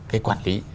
cái quản lý